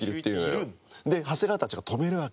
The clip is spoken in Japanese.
長谷川たちが止めるわけ。